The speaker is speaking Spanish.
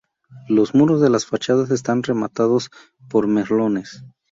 Los muros de las fachadas están rematados por merlones.